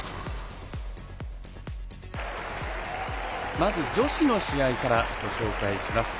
まず女子の試合からご紹介します。